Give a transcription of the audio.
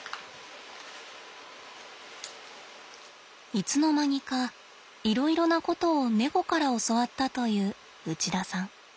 いつの間にかいろいろなことを猫から教わったという内田さん。